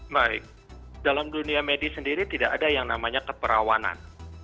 baik dalam dunia medis sendiri tidak ada yang namanya keperawanan